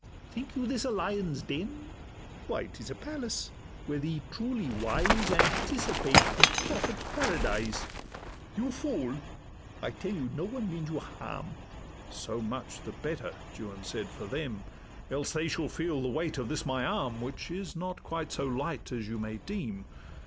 think you this a lion's den? Why, 'tis a palace; where the truly wise Anticipate the Prophet's paradise. 'You fool! I tell you no one means you harm.' 'So much the better,' Juan said, 'for them; Else they shall feel the weight of this my arm, Which is not quite so light as you may deem.